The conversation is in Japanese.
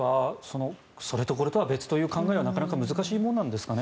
それとこれとは別という考えはなかなか難しいものなんですかね。